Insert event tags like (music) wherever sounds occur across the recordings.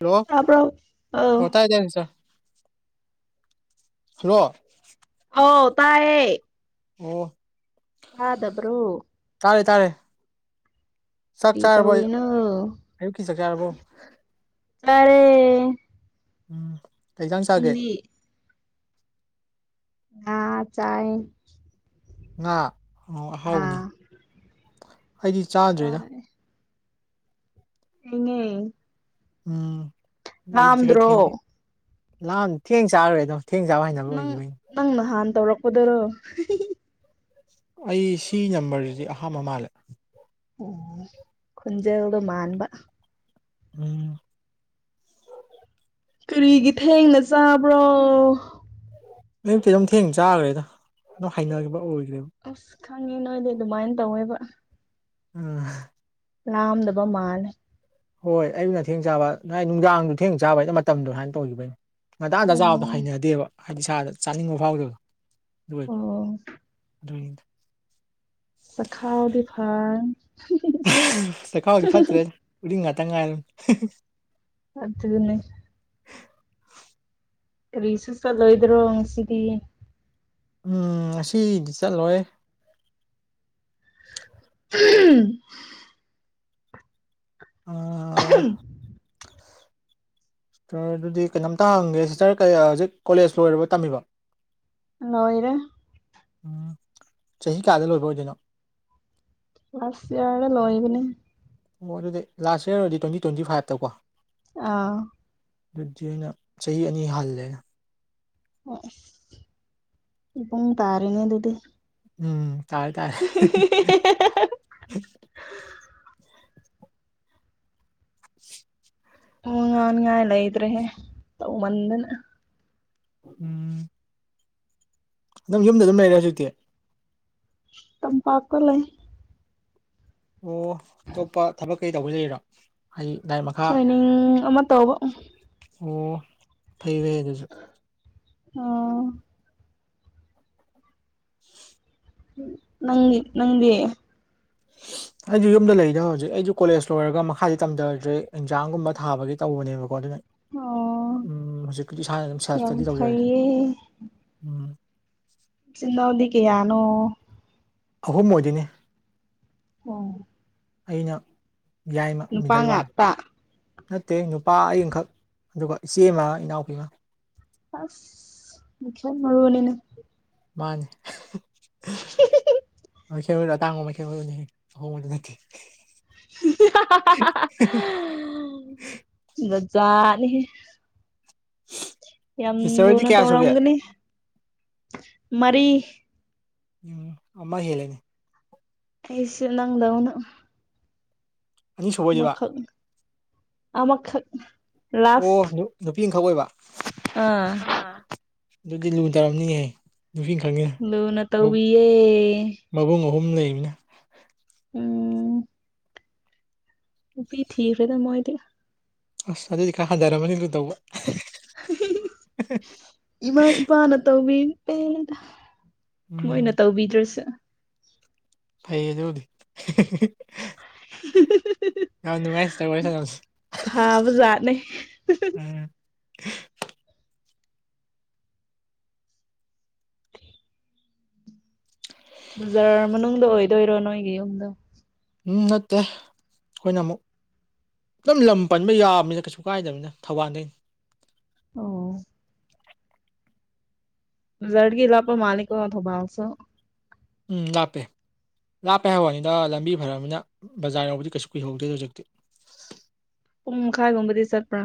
Hello ꯇꯥꯕ꯭ꯔꯣ ꯑꯧ ꯑꯣ ꯇꯥꯏ ꯇꯥꯢ ꯁꯥꯔ ꯍꯜꯂꯣ ꯑꯣ ꯇꯌꯦ ꯑꯣ ꯇꯥꯗꯕ꯭ꯔꯣ ꯇꯥꯔꯦ ꯇꯥꯔꯦ ꯆꯥꯛ ꯀꯔꯤ ꯆꯥꯔꯕꯣ ꯇꯧꯔꯤꯅꯣ ꯑꯌꯨꯛꯀꯤ ꯆꯥꯛ ꯆꯥꯔꯕꯣ ꯇꯔꯦ ꯎꯝ ꯀꯩ ꯏꯟꯁꯥꯡ ꯆꯥꯒꯦ꯫ ꯉꯥ ꯆꯥꯏ꯫ ꯉꯥ ꯑꯍꯥꯎꯕꯅꯤ ꯑꯥ ꯑꯩꯗꯤ ꯆꯥꯗ꯭ꯔꯤꯗ꯫ ꯎ ꯊꯦꯡꯑꯦ ꯎꯝ ꯑꯌꯨꯛꯁꯦ ꯈꯔ ꯂꯥꯝꯗ꯭ꯔꯣ ꯊꯦꯡꯗꯤ ꯂꯥꯟ ꯊꯦꯡ ꯆꯥꯔꯨꯔꯦ ꯑꯗꯨꯝ ꯊꯦꯡ ꯆꯥꯕ ꯍꯩꯅꯅꯕ ꯅꯪ ꯑꯣꯏꯒꯤꯕꯒꯤꯅꯤ ꯅꯪ ꯅꯍꯥꯟ ꯇꯧꯔꯛꯄꯗꯨꯔꯣ (unintelligible) ꯑꯩ ꯁꯤ ꯅꯝꯕꯔꯁꯤꯗꯤ ꯑꯍꯥꯥꯟꯕ ꯃꯥꯜꯂꯦ꯫ ꯑꯣ ꯈꯨꯨꯟꯖꯦꯜꯗꯣ ꯃꯥꯥꯟꯕ꯫ ꯎꯝ ꯀꯔꯤꯒꯤ ꯊꯦꯡꯅ ꯆꯥꯕ꯭ꯔꯣ꯫ ꯑꯌꯨꯛꯇꯤ ꯑꯗꯨꯝ ꯊꯦꯡ ꯆꯥꯈ꯭ꯔꯦꯗ ꯑꯗꯨꯝ ꯍꯩꯅꯈꯤꯕ ꯑꯣꯏꯈ꯭ꯔꯦꯕ꯫ ꯑꯁ ꯈꯪꯉꯤ ꯅꯣꯏꯗꯤ ꯑꯗꯨꯃꯥꯏꯅ ꯇꯧꯌꯦꯕ꯫ ꯎꯝ ꯂꯥꯝꯗꯕ ꯃꯥꯜꯂꯦ ꯍꯣꯏ ꯑꯩꯅꯊꯦꯡ ꯆꯥꯕ ꯅꯥꯏ ꯅꯨꯡꯗꯥꯡꯗꯨꯣ ꯊꯦꯡ ꯆꯥꯕꯩꯩꯅ ꯃꯇꯝꯗꯨ ꯃꯥꯏꯅ ꯇꯧꯈꯤꯕꯒꯤꯅꯤ ꯉꯇꯥꯡꯅ ꯑꯣ ꯆꯥꯕꯗꯣ ꯍꯩꯅꯗꯦꯕ ꯍꯥꯏꯗꯤ ꯏꯁꯥꯗ ꯆꯥꯅꯤꯡꯕ ꯐꯥꯎꯗꯕ ꯑꯗꯨ ꯑꯣꯏꯕ ꯑꯣ ꯑꯗꯨꯅꯤꯗ ꯆꯈꯥꯎꯗꯤ ꯐꯥ (unintelligible) ꯆꯈꯥꯎꯗꯤ ꯐꯠꯇ꯭ꯔꯦ ꯎꯔꯤꯡ ꯉꯥꯛꯇꯪ ꯉꯥꯏꯔ ꯑꯗꯨꯅꯤ ꯀꯔꯤꯁꯨ ꯆꯠꯂꯣꯏꯗ꯭ꯔꯣ ꯉꯁꯤꯗꯤ ꯎꯝ ꯑꯁꯤꯗꯤ ꯆꯠꯂꯣꯏ꯫ (unintelligible) (unintelligible) ꯑ ꯑꯗꯨꯗꯤ ꯀꯩꯅꯣꯝꯇ ꯍꯪꯒꯦ ꯁꯤꯇꯔ ꯀꯌꯥ ꯍꯧꯖꯤꯛ ꯀꯣꯂꯦꯖ ꯂꯣꯏꯔꯕꯣ ꯇꯝꯃꯤꯕꯣ꯫ ꯅꯣꯏꯔꯦ ꯎꯝ ꯆꯍꯤ ꯀꯌꯥꯗ ꯂꯣꯏꯕ ꯑꯣꯏꯗꯣꯏꯅꯣ ꯂꯁ ꯏꯌꯦꯔꯗ ꯂꯣꯏꯕꯅꯦ꯫ ꯑꯣ ꯑꯗꯨꯗꯤ ꯂꯥꯁ ꯏꯌꯔꯗ ꯇ꯭ꯨꯋꯦꯟꯇꯤ ꯇ꯭ꯨꯋꯦꯟꯇꯤ ꯐꯥꯏꯚꯇꯀꯣ꯫ ꯑꯥꯎ ꯑꯗꯨꯗꯤ ꯑꯩꯅ ꯆꯍꯤ ꯑꯅꯤ ꯍꯜꯂꯦ꯫ ꯑꯣ ꯏꯕꯨꯡ ꯇꯥꯔꯦꯅꯦ ꯑꯗꯨꯗꯤ ꯎꯝ ꯇꯥꯔꯦ ꯇꯥꯔꯦ꯫ ꯎ ꯅꯥꯟ ꯉꯏ ꯂꯩꯇ꯭ꯔꯦ ꯍꯦ ꯇꯧ ꯃꯟꯗꯅ ꯎꯝ ꯅꯪ ꯌꯨꯝꯗ ꯑꯗꯨꯝ ꯂꯩꯔꯦ ꯍꯧꯖꯤꯛꯇꯤ ꯇꯝꯄꯥꯛꯄ ꯂꯩ꯫ ꯑꯣ ꯑꯇꯣꯞꯄ ꯊꯕꯛ ꯀꯩ ꯇꯧꯕ ꯂꯩꯔꯣ ꯍꯥꯏꯗꯤ ꯂꯥꯏꯔꯤꯛ ꯃꯈꯥ ꯎꯝ ꯑꯃ ꯇꯧꯕ꯫ ꯑꯣ ꯐꯩ ꯐꯩ ꯑꯗꯨꯁꯨ ꯑꯣ ꯅꯪ ꯅꯪꯗꯤ꯫ (unintelligible) ꯑꯩꯁꯨ ꯌꯨꯝꯗ ꯂꯩꯗ ꯍꯧꯖꯤꯛ ꯑꯩꯁꯨ ꯀꯣꯂꯦꯖ ꯂꯣꯏꯔꯒ ꯃꯈꯥꯗꯤ ꯇꯝꯖꯗ꯭ꯔꯦ ꯑꯦꯛꯖꯥꯝꯒꯨꯝꯕ ꯊꯥꯕꯒꯤ ꯇꯧꯕꯅꯦꯕꯀꯣ ꯑꯗꯨꯅ ꯑꯣ ꯎꯝ ꯍꯧꯖꯤꯛꯄꯨꯗꯤ ꯏꯁꯥꯅ ꯑꯗꯨꯝ ꯁꯦꯜꯞ ꯌꯥꯝ ꯏꯁꯇꯗꯤ ꯇꯧꯖꯔꯦ ꯐꯩꯌꯦ ꯎꯝ ꯆꯤꯟꯅꯥꯎꯗꯤ ꯀꯌꯥꯅꯣ ꯑꯍꯨꯝ ꯑꯣꯏꯗꯣꯏꯅꯤ ꯑꯣ ꯑꯩꯅ ꯌꯥꯏꯃ ꯅꯨꯄꯥ ꯃꯤꯗꯜꯋꯥꯟ ꯉꯥꯛꯇ ꯅꯠꯇꯦ ꯅꯨꯄꯥ ꯑꯤꯡꯈꯛ ꯑꯗꯨꯒ ꯏꯆꯦ ꯑꯃ ꯏꯅꯥꯎꯄꯤ ꯑꯃ ꯑꯁ ꯃ ꯃꯅꯤꯅ ꯃꯥꯅꯤ ꯇꯥꯡꯉ ꯃꯦꯅꯦ ꯑꯍꯣꯡꯕꯗꯨ ꯅꯠꯇꯦ (unintelligible) ꯃꯖꯥꯅꯤ ꯌꯥꯝ ꯁꯤꯁꯇꯔ ꯍꯣꯏꯗꯤ ꯅꯨꯅ ꯀꯌꯥ ꯁꯨꯒꯦ ꯇꯧꯔꯒꯅꯤ ꯃꯔꯤ ꯎ ꯑꯃ ꯍꯦꯜꯂꯅꯤ ꯑꯩꯁꯨ ꯅꯪꯗꯥꯅ ꯑꯅꯤ ꯁꯨꯕ ꯑꯣꯏꯗꯣꯏꯕ ꯃꯈ ꯈ ꯑ ꯃꯈ ꯈ ꯑꯣ ꯅꯨꯄꯤ ꯑꯃꯈꯛ ꯑꯣꯏꯕ ꯑꯥ ꯑꯗꯨꯗꯤ ꯂꯣꯏ ꯇꯔꯝꯅꯤꯍꯦ ꯅꯨꯨꯄꯤ ꯈꯉꯦ ꯂꯣꯅ ꯇꯧꯋꯌꯦ ꯃꯕꯨꯡ ꯑꯍꯨꯝ ꯂꯩꯕꯅ ꯎꯝ ꯎꯕꯤ ꯊꯀ ꯔꯦꯗ ꯃꯣꯗ ꯑꯁ ꯑꯗꯨꯏꯗꯤ ꯈꯔ ꯍꯟꯊꯔꯝꯃꯅꯤꯗꯨ ꯇꯧꯕ ꯏꯃꯥ ꯏꯄꯥꯅ ꯇꯧꯕꯤꯦꯗ ꯎꯝ ꯃꯣꯏꯅ ꯇꯧꯕꯤꯗ꯭ꯔꯁꯨꯦ ꯐꯩꯌꯦꯗ ꯍꯧꯗꯤ ꯑ ꯅꯨꯡꯉꯥꯏꯁꯤ ꯇꯁ ꯐꯥꯕ ꯖꯥꯠꯅꯦ ꯎꯝ ꯕꯖꯥꯔ ꯃꯅꯨꯡꯗ ꯑꯣꯏꯗꯣꯏꯔꯣ ꯅꯣꯏꯒꯤ ꯌꯨꯝꯗꯣ ꯎꯝ ꯅꯠꯇꯦ ꯑꯩꯈꯣꯏꯅ ꯑꯃꯨꯛ ꯑꯗꯨꯝ ꯂꯝ ꯄꯟꯕ ꯌꯥꯕꯃꯤꯅ ꯀꯩꯁꯨ ꯀꯥꯏꯗꯕꯅꯤꯅ ꯊꯧꯕꯥꯜꯗꯩꯩꯅ ꯑꯣ ꯖꯔꯒꯤ ꯏꯂꯄꯥ ꯃꯥꯂꯀꯣ ꯅꯕꯥꯎꯁꯨ ꯎꯝ ꯂꯥꯞꯄꯦ ꯂꯥꯞꯄꯦ ꯍꯥꯏꯕꯅꯤꯗ ꯂꯝꯕꯤ ꯐꯔꯔꯕꯅꯤꯅ ꯕꯖꯥꯔ ꯌꯧꯕꯗꯤ ꯀꯩꯁꯨ ꯀꯨꯏꯍꯧꯗꯦꯗ ꯍꯧꯖꯤꯛꯇꯤ ꯄꯨꯡ ꯃꯈꯥꯏꯒꯨꯝꯕꯗꯤ ꯆꯠꯄ꯭ꯔꯥ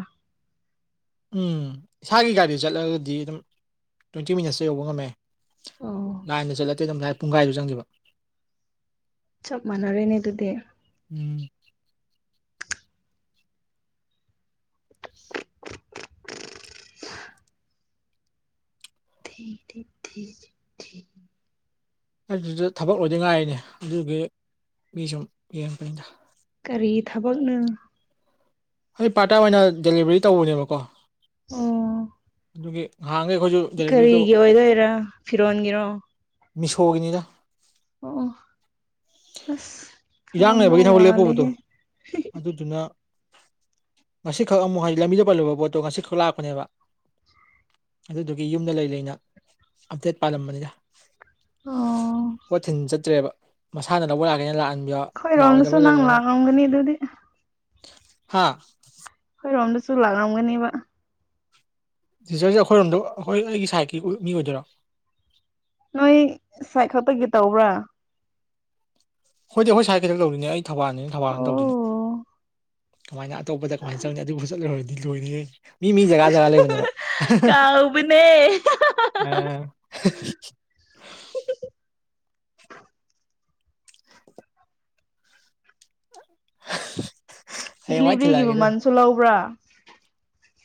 ꯎꯝ ꯏꯁꯥꯒꯤ ꯒꯥꯔꯤ ꯆꯠꯂꯒꯗꯤ ꯑꯗꯨꯝ ꯇ꯭ꯋꯦꯟꯇꯤ ꯃꯤꯅꯠꯁꯇ ꯌꯧꯕ ꯉꯝꯃꯦ ꯑꯣ ꯂꯅꯥꯥꯏꯟꯗ ꯆꯠꯂꯛꯇꯦꯗꯝꯗꯥꯏ ꯄꯨꯡꯈꯥꯏꯗꯨ ꯆꯪꯈꯤꯕ ꯆꯞ ꯃꯥꯟꯅꯔꯦꯅꯦ ꯑꯗꯨꯗꯤ ꯎꯝ (inaudible) (unintelligible) ꯑꯗꯨꯗ ꯊꯕꯛ ꯑꯣꯏꯗꯉꯥꯏꯅꯦ ꯑꯗꯨꯒꯤ ꯃꯤ ꯁꯨꯝ ꯌꯦꯡꯕꯅꯤꯗ ꯀꯒꯥꯔꯤ ꯊꯕꯛꯅ ꯑꯩ ꯄꯥꯔꯠ ꯇꯥꯏꯝ ꯑꯣꯏꯅ ꯗꯦꯂꯤꯕꯔꯤ ꯇꯧꯕꯅꯦꯕꯀꯣ ꯑꯣ ꯑꯗꯨꯒꯤ ꯉꯍꯥꯡꯉꯦ ꯑꯩꯈꯣꯏꯁꯨ ꯗꯦꯂꯤꯚꯔꯤꯗꯣ ꯀꯔꯤꯒꯤ ꯑꯣꯏꯗꯣꯏꯔꯥ ꯐꯤꯔꯣꯟꯒꯤꯔꯣ ꯃꯤꯁꯣꯒꯤꯅꯤꯗ ꯑꯣ ꯑꯣ ꯑꯁ ꯏꯔꯥꯡ ꯈꯪꯂꯝꯗꯧ ꯃꯥꯂꯦꯍꯦ ꯑꯗꯨꯅ ꯉꯁꯤꯈꯛ ꯑꯃꯨꯛ ꯍꯥꯏꯗꯤ ꯂꯝꯕꯤꯗ ꯄꯜꯂꯨꯕ ꯄꯣꯠꯇꯣ ꯉꯁꯤꯈꯛ ꯂꯥꯛꯄꯅꯦꯕ ꯑꯗꯨꯗꯨꯒꯤ ꯌꯨꯝꯗ ꯂꯩ ꯂꯩꯅ ꯑꯞꯗꯦꯠ ꯄꯥꯜꯂꯝꯕꯅꯤꯗ ꯑꯣ ꯀꯣ ꯊꯤꯟ ꯆꯠꯇ꯭ꯔꯦꯕ ꯃꯁꯥꯅ ꯂꯧꯕ ꯂꯥꯛꯀꯦꯅ ꯂꯥꯛꯍꯟꯕꯤꯌꯣ ꯂꯥꯛꯑꯣꯏꯗꯕ ꯑꯩꯈꯣꯏꯔꯣꯝꯗꯁꯨ ꯅꯪ ꯂꯥꯛꯂꯝꯝꯒꯅꯤ ꯑꯗꯨꯗꯤ ꯍꯥꯥ ꯍꯣꯏꯔꯣꯝꯗꯁꯨ ꯂꯥꯛꯂꯝꯝꯒꯅꯦꯕ ꯇꯤꯖꯔꯁꯦ ꯑꯩꯈꯣꯏꯔꯣꯝꯗ ꯑꯩꯈꯣꯏ ꯑꯩꯒꯤ ꯁꯥꯏꯠꯀꯤ ꯃꯤ ꯑꯣꯏꯗꯣꯏꯔꯣ ꯅꯣꯏ ꯁꯥꯏ ꯈꯛꯇꯒꯤ ꯇꯧꯕ꯭ꯔꯥ ꯍꯣꯏꯗꯤ ꯑꯩꯣꯏꯥꯏ ꯀꯩꯊ ꯇꯧꯗꯨꯅꯦ ꯑꯩ ꯊꯕꯥꯜꯅꯤꯅꯦ ꯊꯜꯅ ꯇꯧꯗꯨꯅꯦ ꯀꯃꯥꯏꯅ ꯑꯇꯣꯞꯄꯗ ꯀꯃꯥꯏꯅ ꯆꯪꯅꯤ ꯑꯗꯨꯕꯨ ꯆꯠꯂꯨꯔꯗꯤ ꯂꯣꯏꯔꯌꯦ ꯃꯤ ꯃꯤ ꯖꯒꯥ ꯖꯒꯥ ꯂꯩꯕꯅꯦꯕ ꯀꯥꯎꯕꯅꯦ ꯑ ꯍꯌꯦꯡꯋꯥꯏ ꯗꯤꯂꯤꯚꯔꯤꯒꯤ ꯊꯤꯜꯂꯛꯑꯒꯦ ꯃꯃꯜꯁꯨ ꯂꯧꯕ꯭ꯔꯥ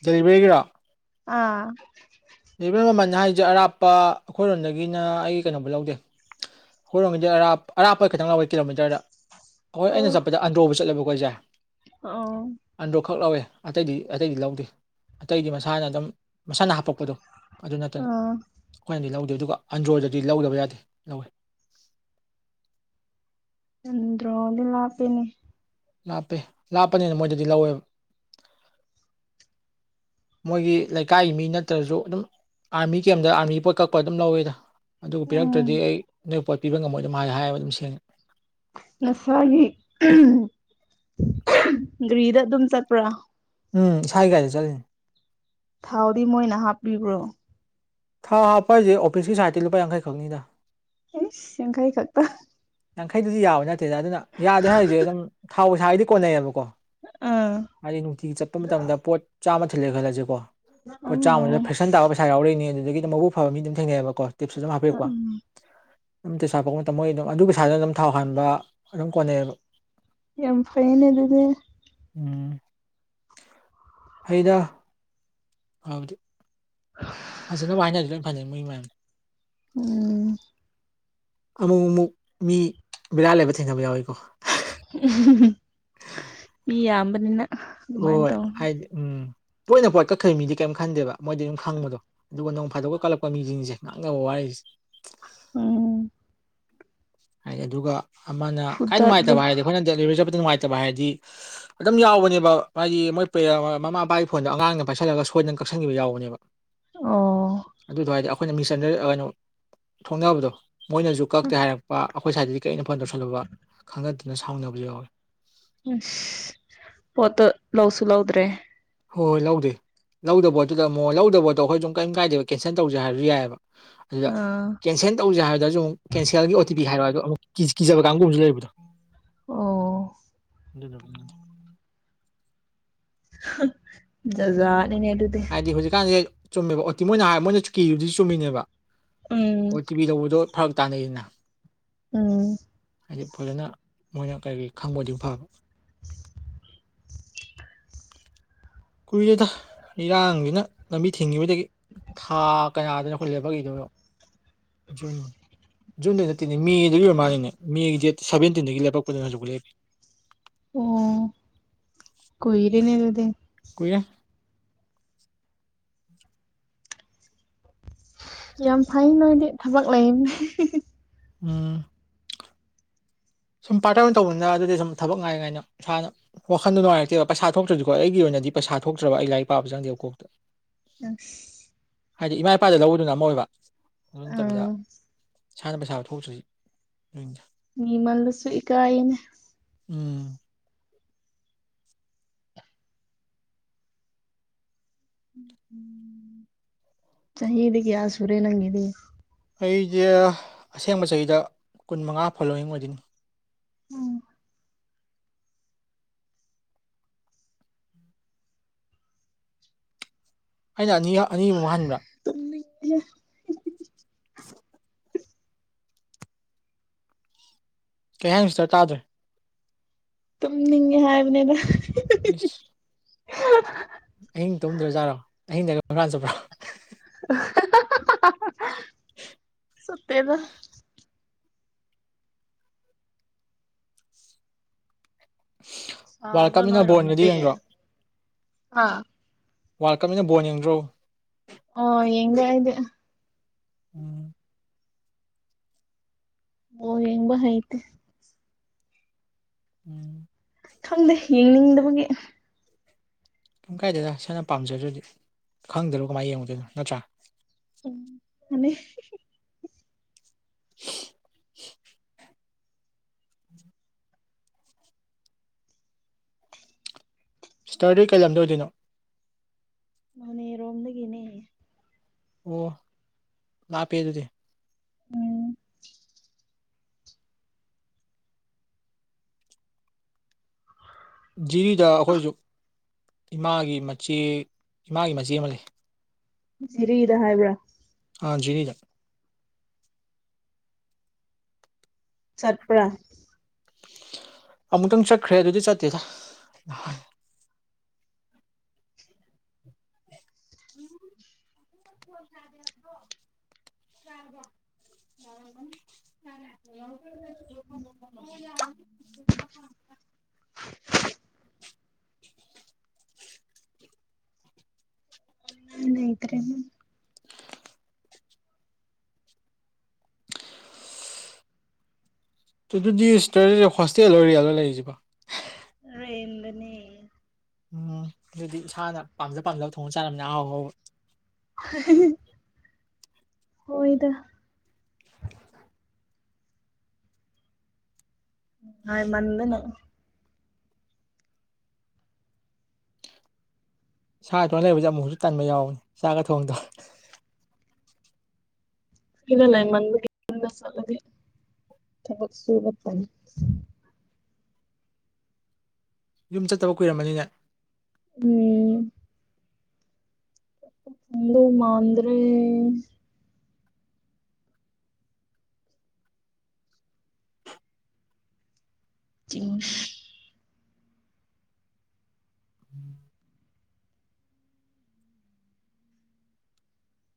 ꯗꯂꯤꯕꯒꯔꯥ ꯑꯥ ꯕꯦꯝ ꯃꯃꯜ ꯍꯥꯏꯁꯦ ꯑꯔꯥꯞꯄ ꯑꯩꯈꯣꯏꯔꯣꯝꯗꯒꯤꯅ ꯑꯩꯒꯤ ꯀꯩꯅꯣꯕꯨ ꯂꯧꯗꯦ ꯍꯣꯔꯣꯡꯝꯁꯦ ꯑꯔꯞ ꯑꯔꯥꯄ ꯈꯪ ꯂꯧꯋꯦ ꯀꯤꯂꯣꯃꯤꯇꯔꯗ ꯍꯣꯏ ꯑꯩꯅ ꯆꯠꯄꯗ ꯑꯟꯗ꯭ꯔꯣꯕꯨ ꯆꯠꯂꯦꯕ ꯑꯩꯈꯣꯏꯁꯦ ꯑꯣ ꯑꯟꯗ꯭ꯔꯣ ꯈꯛ ꯂꯧꯋꯦ ꯑꯇꯩꯗꯤ ꯑꯇꯩꯗꯤ ꯂꯧꯗꯦ ꯑꯇꯩꯗꯤ ꯃꯁꯥꯅ ꯑꯗꯨꯝ ꯃꯁꯥꯅ ꯍꯥꯄꯛꯄꯗꯣ ꯑꯗꯨ ꯅꯠꯇꯅ ꯑꯥ ꯑꯩꯈꯣꯏꯅꯗꯤ ꯂꯧꯗꯦ ꯑꯗꯨꯒ ꯑꯟꯗ꯭ꯔꯣꯗꯗꯤ ꯂꯧꯗꯕ ꯌꯥꯗꯦ ꯂꯧꯋꯦ ꯅ ꯔꯣꯗ ꯂꯄꯅꯦꯅꯤ ꯂꯥꯞꯄꯦ ꯂꯥꯞꯄꯅꯤꯅ ꯃꯣꯏꯗꯗꯤ ꯂꯧꯋꯦꯕ ꯃꯣꯏꯒꯤ ꯂꯩꯀꯥꯏꯒꯤ ꯃꯤ ꯅꯠꯇ꯭ꯔꯁꯨ ꯑꯗꯨꯝ ꯑꯥꯔꯃꯤ ꯀꯦꯝꯗ ꯑꯥꯔꯃꯤ ꯄꯣꯠ ꯀꯛꯄ ꯑꯗꯨꯝ ꯂꯧꯋꯦꯗ ꯑꯗꯨꯒ ꯎꯝ ꯄꯤꯔꯛꯇ꯭ꯔꯗꯤ ꯑꯩ ꯅꯣꯏ ꯄꯣꯠ ꯄꯤꯕ ꯉꯝꯃꯣꯏ ꯑꯗꯨꯝ ꯍꯥꯏ ꯍꯥꯏꯕ ꯑꯗꯨꯝ ꯁꯦꯡꯉꯦ ꯉꯁꯥꯏꯒꯤ ꯒ꯭ꯔꯤꯗ ꯑꯗꯨꯝ ꯆꯠꯄ꯭ꯔꯥ ꯎꯝ ꯏꯁꯥꯒꯤꯒꯥꯥꯏꯗ ꯆꯠꯂꯤꯅꯦ ꯊꯥꯎꯗꯤ ꯃꯣꯏꯅ ꯍꯥꯞꯄꯤꯕ꯭ꯔꯣ ꯊꯥ ꯍꯥꯞꯄ ꯍꯥꯏꯁꯦ ꯑꯣꯐꯤꯁꯀꯤ ꯁꯥꯏꯠꯇꯤ ꯂꯨꯄꯥ ꯌꯥꯡꯈꯩꯈꯛꯅꯤꯗ ꯑꯦꯁ ꯁꯪꯀ ꯍ ꯈꯥꯛꯄ ꯌꯥꯡꯈꯩꯗꯨꯗꯤ ꯌꯥꯕ ꯅꯠꯇꯦꯗ ꯑꯗꯨꯅ ꯌꯥꯗꯦ ꯍꯥꯏꯔꯤꯁꯦ ꯑꯗꯨꯝ ꯊꯥꯎꯁꯥꯗꯤ ꯀꯣꯟꯅꯩꯌꯦꯕꯀꯣ ꯑꯥ ꯍꯥꯏꯗꯤ ꯅꯨꯡꯇꯤꯒꯤ ꯆꯠꯄ ꯃꯇꯝꯗ ꯄꯣꯠ ꯆꯥꯝꯃ ꯊꯜꯂꯦ ꯈꯜꯂꯁꯤꯦꯀꯣ ꯄꯣꯠ ꯆꯥꯝꯃꯗ ꯑꯣ ꯐꯦꯁꯟ ꯇꯥꯕ ꯄꯩꯁꯥ ꯌꯥꯎꯔꯛꯏꯅꯤ ꯑꯗꯨꯗꯒꯤ ꯑꯗꯨꯝ ꯃꯕꯨꯎ ꯐꯕ ꯃꯤ ꯑꯗꯨꯝ ꯊꯦꯡꯅꯩꯑꯕꯀꯣ ꯇꯤꯞꯁꯁꯨ ꯑꯗꯨꯝ ꯍꯥꯞꯄꯤꯔꯛꯄ ꯎꯝ ꯑꯝꯇꯁꯥ ꯄꯣꯛꯄ ꯃꯇꯝ ꯃꯣꯏ ꯑꯗꯨꯝ ꯑꯗꯨ ꯄꯩꯁꯥꯗꯅ ꯑꯗꯨꯝ ꯊꯥꯎ ꯍꯟꯕ ꯑꯗꯨꯝ ꯀꯣꯟꯅꯩꯌꯦꯕ ꯌꯥꯝ ꯐꯥꯏꯟꯗꯗꯤ ꯎꯝ ꯍꯗ ꯍꯥꯏꯗꯤ ꯍ ꯐꯖꯅꯕ ꯋꯥ ꯍꯥꯏꯅꯗꯤ ꯂꯣꯏ ꯐꯅꯩ ꯃꯣꯏ ꯃꯌꯥꯝꯅ ꯎꯝ ꯑꯃꯨꯛ ꯑꯃꯨꯛ ꯃꯤ ꯕꯦꯔꯥ ꯂꯩꯕ ꯊꯦꯡꯅꯕ ꯌꯥꯎꯏꯤꯀꯣ ꯎ ꯌꯥꯕꯅꯤꯅ ꯍꯣꯏ ꯍꯥꯏꯗꯤ ꯎꯝ ꯄꯣꯏꯅ ꯄꯣꯏ ꯀꯛꯈ꯭ꯔꯣꯏ ꯃꯤꯗꯤ ꯀꯔꯤꯝ ꯈꯟꯗꯦꯕ ꯃꯣꯏꯗꯤ ꯑꯗꯨꯝ ꯈꯪꯕꯗꯣ ꯑꯗꯨꯒ ꯅꯣꯡ ꯐꯥꯗꯣꯛꯒ ꯀꯜꯂꯛꯄ ꯃꯤꯁꯤꯡꯁꯦ ꯉꯥꯡꯅꯕ ꯋꯥꯔꯤꯁꯦ ꯎꯝ ꯍꯥꯏꯗꯤ ꯑꯗꯨꯒ ꯑꯃꯅ ꯈꯗꯥꯏ ꯐꯨꯗꯠꯂꯨ ꯅꯨꯡꯉꯥꯏꯇꯕ ꯍꯥꯏꯔꯗꯤ ꯑꯩꯈꯣꯏꯅ ꯗꯦꯂꯤꯕꯔꯤ ꯆꯠꯄꯗ ꯅꯨꯡꯉꯥꯏꯇꯕ ꯍꯥꯏꯔꯗꯤ ꯑꯗꯨꯝ ꯌꯥꯎꯕꯅꯦꯕ ꯃꯥꯗꯤ ꯃꯣꯏ ꯄꯦ ꯃꯃꯥ ꯃꯄꯥꯒꯤ ꯐꯣꯟꯗꯣ ꯑꯉꯥꯡꯅ ꯄꯥꯏꯁꯜꯂꯒ ꯁꯣꯏꯗꯅ ꯀꯛꯁꯟꯈꯤꯕ ꯌꯥꯎꯕꯅꯦꯕ ꯑ ꯑꯣ ꯑꯗꯨꯗꯣ ꯍꯥꯏꯗꯤ ꯑꯩꯈꯣꯏꯅ ꯃꯤꯁꯟꯗ ꯀꯩꯅꯣ ꯊꯣꯡꯅꯕꯗꯣ ꯃꯣꯏꯅꯁꯨ ꯀꯛꯇꯦ ꯍꯥꯏꯔꯔꯕꯄ ꯑꯩꯈꯣꯏ ꯁꯥꯏꯗꯗꯤ ꯀꯔꯤꯩꯅ ꯐꯣꯟ ꯇꯧꯁꯜꯂꯨꯕ ꯈꯪꯅꯗꯅ ꯁꯥꯎꯅꯕꯁꯨ ꯌꯥꯎꯋꯤ ꯎ ꯄꯣꯠꯇ ꯂꯧꯧꯁꯨ ꯂꯧꯗ꯭ꯔꯦ ꯍꯣꯏ ꯍꯣꯏ ꯂꯧꯗꯦ ꯂꯧꯗ ꯄꯣꯠꯇꯨꯗ ꯑꯃꯨꯛ ꯂꯧꯗ ꯄꯣꯠꯇꯣ ꯑꯩꯈꯣꯏ ꯁꯨꯝ ꯀꯔꯤꯝ ꯀꯥꯏꯗꯦꯕ ꯀꯦꯟꯁꯦꯜ ꯇꯧꯁꯦ ꯍꯥꯏꯔꯁꯨ ꯌꯥꯏꯑꯕ ꯑꯗꯨꯗ ꯑꯥ ꯀꯦꯟꯁꯦꯟ ꯇꯧꯁꯦ ꯍꯥꯏꯕꯗꯁꯨ ꯑꯃꯨꯛ ꯀꯦꯟꯁꯦꯜꯒꯤ ꯑꯣ ꯇꯤ ꯄꯤ ꯍꯥꯏꯔꯣ ꯑ ꯑꯃ ꯀꯤꯖꯕ ꯀꯥꯡꯒꯨꯝꯕꯁꯨ ꯂꯩꯕꯗꯣ ꯑꯣ ꯑꯗꯨꯗꯣ ꯖꯥꯠ ꯖꯥꯠ ꯅꯤꯅꯦ (unintelligible) ꯍꯥꯏꯗꯤ ꯍꯧꯖꯤꯛꯀꯥꯟꯖꯦ ꯆꯨꯝꯃꯦꯕ ꯑꯣꯇꯤ ꯃꯣꯏꯅ ꯍꯥꯏ ꯃꯣꯏꯅ ꯀꯤꯔꯤꯕꯗꯨꯖꯨ ꯆꯨꯝꯃꯤꯅꯦꯕ ꯎꯝ ꯑꯣ ꯇꯤ ꯚꯤ ꯇꯧꯕꯗꯣ ꯐꯔꯛ ꯇꯥꯅꯩꯗꯅ ꯎꯝ ꯍꯥꯏꯗꯤ ꯐꯖꯅ ꯃꯣꯏꯅ ꯀꯔꯤ ꯈꯪꯕ ꯑꯣꯏꯗꯤ ꯐꯕ ꯀꯨꯏꯔꯦꯗ ꯏꯔꯥꯡꯖꯤꯅ ꯂꯝꯕꯤ ꯊꯤꯡꯒꯤꯕꯗꯒꯤ ꯊꯥ ꯀꯌꯥꯗ (unintelligible) ꯈꯨꯜꯂꯦꯕꯒꯤꯗꯨꯔꯣ ꯖꯨꯟ ꯖꯨꯟꯗꯩ ꯅꯠꯇꯦꯅꯦ ꯃꯦꯗꯒꯤ ꯑꯣꯏꯔ ꯃꯥꯜꯂꯦꯅꯦ ꯃꯦꯒꯤ ꯗꯦꯠ ꯁꯕꯦꯟꯇꯤꯟꯗꯒꯤ ꯂꯦꯞꯄꯛꯄꯗꯨꯅ ꯍꯧꯖꯤꯛꯄꯧ ꯂꯦꯞꯄꯤ ꯑꯣ ꯀꯨꯏꯔꯦꯅꯦ ꯑꯗꯨꯗꯤ ꯀꯨꯏꯔꯦ ꯌꯥꯝ ꯐꯩ ꯅꯣꯏꯗꯤ ꯊꯕꯛ ꯂꯩꯅꯤ ꯎꯝ ꯁꯨꯝ ꯄꯥꯔꯠꯇꯔ ꯑꯣꯏꯅ ꯇꯧꯕꯅꯤꯅ ꯑꯗꯨꯗꯤ ꯁꯨꯝ ꯊꯕꯛ ꯉꯥꯏ ꯉꯥꯏꯅ ꯏꯁꯥꯅ ꯋꯥꯈꯟꯗꯨ ꯅꯨꯡꯉꯥꯏꯔꯛꯇꯦꯕ ꯄꯩꯁꯥ ꯊꯣꯛꯇ꯭ꯔꯗꯤꯀꯣ ꯑꯩꯒꯤ ꯑꯣꯏꯅꯗꯤ ꯄꯩꯁꯥ ꯊꯣꯛꯇ꯭ꯔꯕ ꯑꯩ ꯂꯥꯏꯔꯤꯛ ꯄꯥꯕ ꯆꯪꯗꯦꯕ ꯀꯣꯛꯇ (unintelligible) ꯍꯥꯏꯗꯤ ꯏꯃꯥ ꯏꯄꯥꯗꯩ ꯂꯧꯕꯗꯨꯅ ꯑꯃ ꯑꯣꯏꯕ ꯑꯗꯨ ꯅꯠꯇꯕꯤꯗ ꯑꯥ ꯏꯁꯥꯅ ꯄꯩꯁꯥ ꯊꯣꯛꯇ꯭ꯔꯨꯏ ꯎꯝ ꯅꯤꯃꯜꯂꯁꯨ ꯏꯀꯥꯏꯅꯦ ꯎꯝ ꯆꯍꯤꯗꯤ ꯀꯌꯥ ꯁꯨꯔꯦ ꯅꯪꯒꯤꯗꯤ ꯑꯩꯖꯦ ꯑꯁꯦꯡꯕ ꯆꯍꯤꯗ ꯀꯨꯟ ꯃꯉꯥ ꯐꯣꯂꯣꯋꯤꯡ ꯑꯣꯏꯗꯣꯏꯅꯤ ꯎꯝ ꯑꯩꯅ ꯑꯅꯤ ꯑꯅꯤꯃꯨꯛ ꯍꯟꯕ꯭ꯔꯥ (unintelligible) (unintelligible) ꯀꯩ ꯍꯥꯏꯅꯣ ꯁꯤꯁꯇꯔ ꯇꯥ꯭ꯗꯔꯦ ꯇꯨꯝꯅꯤꯡꯉꯦ (unintelligible) ꯍꯥꯏꯕꯅꯤꯗ ꯏꯁ ꯑꯍꯤꯡ ꯇꯨꯝꯗ꯭ꯔ ꯖꯥꯔꯣ ꯑꯍꯤꯡꯗꯒ ꯍꯨꯔꯥꯟ ꯆꯠꯄ꯭ꯔꯣ (unintelligible) ꯆꯠꯇꯦꯗ ꯋꯥꯔꯜ ꯁꯥꯕ꯭ꯔꯣ ꯀꯞꯅꯤꯅ ꯕꯣꯟꯒꯗꯤ ꯅꯣꯏꯔꯣꯝꯗꯤ ꯌꯦꯡꯗ꯭ꯔꯣ ꯑꯥ ꯋꯥꯔꯜ ꯀꯞꯅꯤꯅ ꯕꯣꯟ ꯌꯦꯡꯗ꯭ꯔꯣ ꯑꯣ ꯌꯦꯡꯗꯦ ꯑꯩꯗꯤ ꯎꯝ ꯕꯣꯜ ꯌꯦꯡꯕ ꯍꯩꯇꯦ ꯎꯝ ꯈꯪꯗꯦ ꯌꯦꯡꯅꯤꯡꯗꯕꯒꯤ ꯄꯨꯡ ꯀꯥꯏꯗꯦꯗ ꯏꯁꯥꯅ ꯄꯥꯝꯖꯗ꯭ꯔꯗꯤ ꯈꯪꯗ꯭ꯔꯒꯕꯣ ꯀꯃꯥꯏꯅ ꯌꯦꯡꯉꯨꯗꯣꯏꯅꯣ ꯅꯠꯇ꯭꯭ꯔꯥ ꯎ ꯃꯅꯤ (unintelligible) ꯏꯁꯇꯔꯗꯤ ꯀꯩ ꯂꯝꯗꯩ ꯑꯣꯏꯗꯣꯏꯅꯣ ꯅꯣꯅꯦ ꯔꯣꯝꯗꯒꯤꯅꯦ ꯑꯣ ꯂꯥꯞꯄꯦ ꯑꯗꯨꯗꯤ ꯎꯝ ꯖꯤꯔꯤꯗ ꯑꯩꯈꯣꯏꯖꯨ ꯏꯃꯥꯒꯤ ꯃꯆꯦ ꯏꯃꯥꯒꯤ ꯃꯆꯦ ꯑꯃ ꯂꯩ ꯖꯤꯔꯤꯗ ꯍꯥꯏꯕ꯭ꯔꯥ ꯑꯥ ꯖꯤꯔꯤꯗ ꯆꯠꯄ꯭ꯔꯥ꯫ ꯑꯃꯨꯛꯇꯪ ꯆꯠꯈ꯭ꯔꯦ ꯑꯗꯨꯗꯤ ꯆꯠꯇꯦꯗ꯫ (unintelligible) (unintelligible) (unintelligible) ꯑꯗꯨꯗꯤ ꯁꯤꯁꯇ ꯍꯣꯁꯇꯦꯜ ꯔꯦꯟꯂꯣ ꯂꯩꯔꯤꯁꯤꯕꯣ꯫ ꯔꯦꯟꯗꯅꯦ꯫ ꯎꯝ ꯑꯗꯨꯗꯤ ꯏꯁꯥꯅ ꯄꯥꯝꯖ ꯄꯥꯝꯖꯕ ꯊꯣꯡ (unintelligible) ꯑꯍꯥꯎ ꯍꯥꯎꯕ꯫ ꯍꯣꯏꯗ꯫ (unintelligible) ꯃꯥꯟ ꯃꯟꯗꯅ꯫ ꯁꯥꯇꯧꯔꯒ ꯂꯩꯔꯝꯕꯁꯦ ꯑꯃꯨꯛꯁꯨ ꯑꯃꯨꯛꯁꯨ ꯇꯟꯕ ꯌꯥꯎꯕꯅꯦ ꯆꯥꯛꯒ ꯊꯣꯡ (unintelligible) (unintelligible) ꯌꯨꯝ ꯆꯠꯇꯕ ꯀꯨꯏꯔꯝꯃꯅꯤꯅꯦ꯫ ꯎꯝ꯫ ꯍꯟꯗꯧ ꯃꯥꯟꯗ꯭ꯔꯦ꯫ (unintelligible)